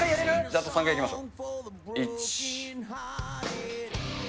あと３回いきましょう。